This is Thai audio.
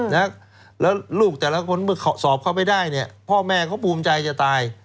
แล้วลูกแต่ละคนเมื่อสอบเขาไม่ได้เนี่ยพ่อแม่เขาภูมิใจจะตาย